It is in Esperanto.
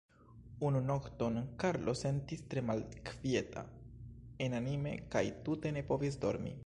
Unu nokton Karlo sentis tre malkvieta enanime, kaj tute ne povis dormi.